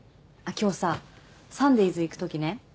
今日さサンデイズ行くときね